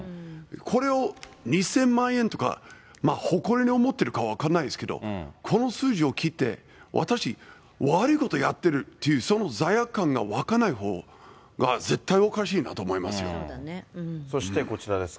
これを２０００万円とか、まあ、誇りに思ってるか分からないですけど、この数字を聞いて、私、悪いことやってるっていうその罪悪感が湧かないほうが絶対おかしそしてこちらですが。